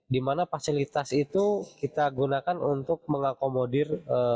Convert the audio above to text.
di mana fasilitas itu kita gunakan untuk mengakomodir